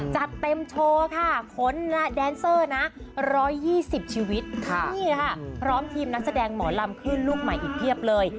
จัดเต็มโชว์ค่ะขนแดนเซอร์นะ๑๒๐ชีวิตนี่ค่ะพร้อมทีมนักแสดงหมอลำขึ้นลูกใหม่อีกเพียบเลย